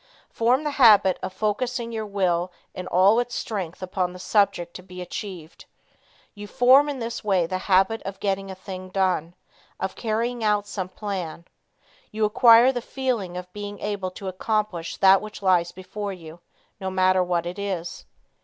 Form the habit of focusing your will in all its strength upon the subject to be achieved. You form in this way the habit of getting a thing done, of carrying out some plan. You acquire the feeling of being able to accomplish that which lies before you, no matter what it is.